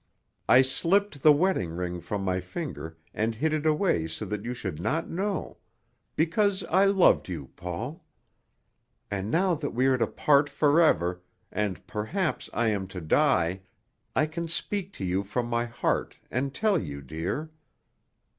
I slipped the wedding ring from my finger and hid it away so that you should not know because I loved you, Paul. And now that we are to part forever, and perhaps I am to die, I can speak to you from my heart and tell you, dear.